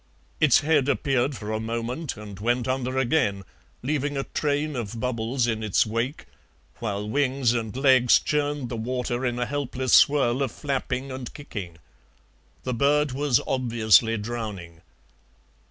Its head appeared for a moment and went under again, leaving a train of bubbles in its wake, while wings and legs churned the water in a helpless swirl of flapping and kicking. The bird was obviously drowning.